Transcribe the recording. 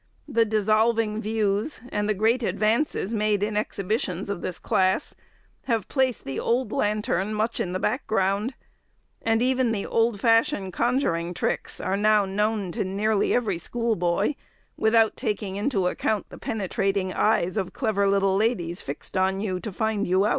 The dissolving views, and the great advances made in exhibitions of this class have placed the old lantern much in the back ground, and even the old fashioned conjuring tricks are now known to nearly every school boy, without taking into account the penetrating eyes of clever little ladies fixed on you, to find you out.